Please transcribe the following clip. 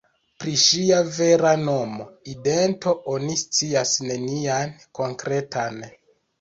Pri ŝia vera nomo, idento oni scias nenian konkretan.